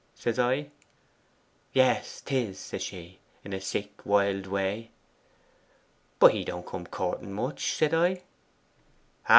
says I. '"Yes, 'tis," says she, in a sick wild way. '"But he don't come courting much," I said. "'Ah!